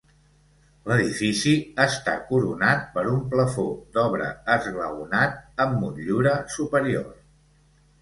L'edifici està coronat per un plafó d'obra esglaonat amb motllura superior.